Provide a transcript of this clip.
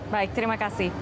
baik terima kasih